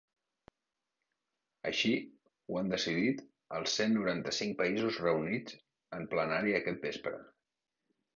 Així ho han decidit els cent noranta-cinc països reunits en plenari aquest vespre.